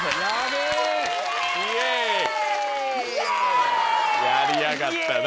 イエイ！やりやがったな。